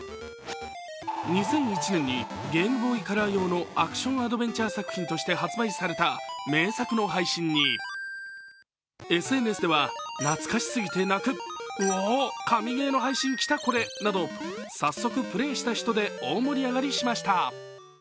２００１年にゲームボーイカラー用のアクションアドベンチャー作品として発売された名作の配信に、ＳＮＳではなど早速、プレーした人で大盛り上がりしました。